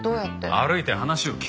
歩いて話を聞け。